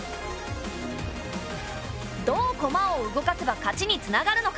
どう駒を動かせば勝ちにつながるのか。